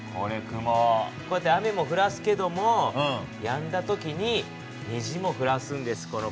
こうやって雨もふらすけどもやんだ時ににじもふらすんですこの雲は。